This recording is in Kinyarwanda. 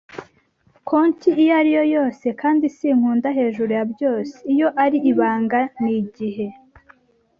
konte iyo ari yo yose, kandi sinkunda, hejuru ya byose, iyo ari ibanga nigihe